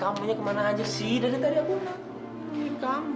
kamunya kemana aja sih dari tadi aku enak